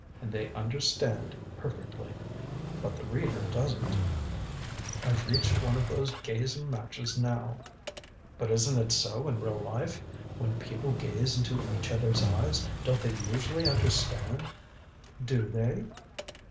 And they understand perfectly. But the reader doesn't. I've reached one of those gazing matches now." "But isn't it so in real life when people gaze into each other's eyes, don't they usually understand?" "Do they?"